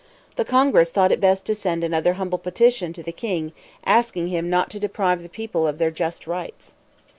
The Congress thought it best to send another humble petition to the king, asking him not to deprive the people of their just rights.